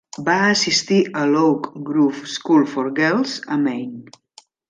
Va assistir a l'Oak Grove School for Girls a Maine.